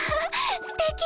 すてき！